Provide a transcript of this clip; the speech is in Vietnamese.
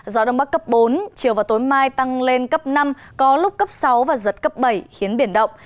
gió đông bắc cấp bốn chiều và tối mai tăng lên cấp năm có lúc cấp sáu và giật cấp bảy khiến biển động